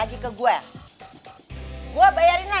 ini udah kebangetan lu